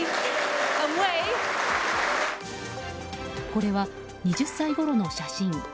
これは２０歳ごろの写真。